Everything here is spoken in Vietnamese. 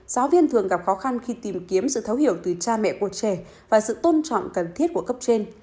giáo viên thường gặp khó khăn khi tìm kiếm sự thấu hiểu từ cha mẹ của trẻ và sự tôn trọng cần thiết của cấp trên